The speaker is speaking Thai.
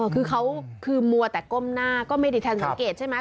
คือเขาคือมัวแต่ก้มหน้าก็ไม่ได้ทันสังเกตใช่ไหม